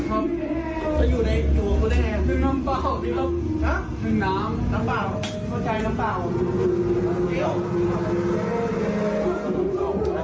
ก็อยู่ในอยู่บนแห่งน้ำเปล่าน้ำน้ำเปล่าน้ำเปล่าใจน้ำเปล่า